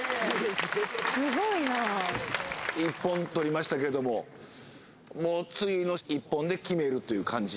・すごいな１本取りましたけどももう次の１本で決めるという感じ？